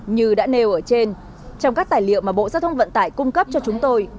như đã nêu ở trên trong các tài liệu mà bộ giao thông vận tải cung cấp cho chúng tôi